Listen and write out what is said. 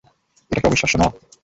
এটা কি অবিশ্বাস্য না?